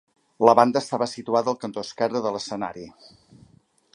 La banda estava situada al cantó esquerre de l'escenari.